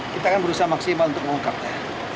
kita akan berusaha maksimal untuk mengungkapnya